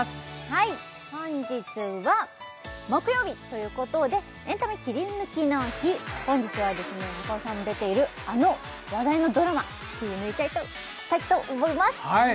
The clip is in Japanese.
はい本日は木曜日ということでエンタメキリヌキの日本日はですね中尾さんも出ているあの話題のドラマ切り抜いちゃいたいと思います